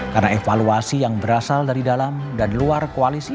karena evaluasi yang berasal dari dalam dan luar koalisi